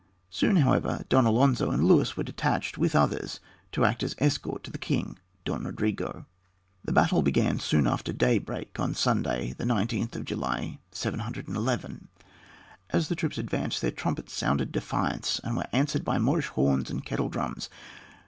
Soon, however, Don Alonzo and Luis were detached, with others, to act as escort to the king, Don Rodrigo. The battle began soon after daybreak on Sunday, July 19, 711. As the Spanish troops advanced, their trumpets sounded defiance and were answered by Moorish horns and kettledrums.